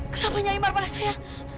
kenapa nyai marah pada saya